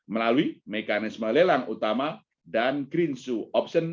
melalui mekanisme lelang utama dan green sue option